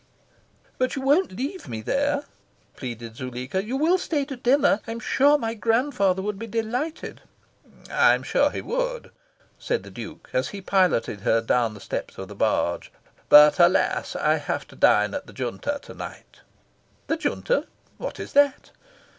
"But you won't leave me there?" pleaded Zuleika. "You will stay to dinner? I am sure my grandfather would be delighted." "I am sure he would," said the Duke, as he piloted her down the steps of the barge. "But alas, I have to dine at the Junta to night." "The Junta? What is that?"